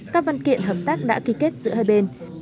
các văn kiện hợp tác đã ký kết giữa hai bên